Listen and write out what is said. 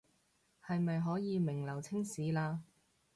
是咪可以名留青史了